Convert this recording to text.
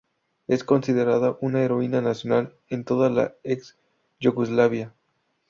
Es considerada una heroína nacional en toda la ex-Yugoslavia.